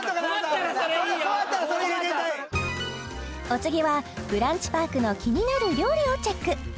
お次はブランチパークの気になる料理をチェック